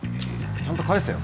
ちゃんと返せよ。